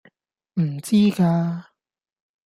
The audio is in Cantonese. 唔知㗎